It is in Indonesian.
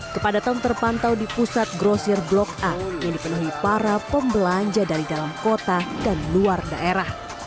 kepadatan terpantau di pusat grosir blok a yang dipenuhi para pembelanja dari dalam kota dan luar daerah